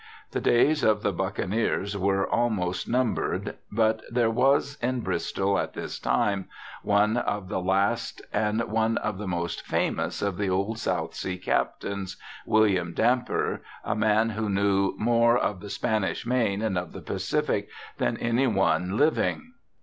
The days of the buccaneers were almost num bered, but there was in Bristol at this time one of the last and one of the most famous of the old South Sea captains, William Dampier, a man who knew more of the Spanish Main and of the Pacific than any one hving.